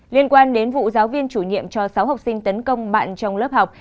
liên quan đến vụ giáo viên chủ nhiệm cho sáu học sinh tấn công bạn trong lớp học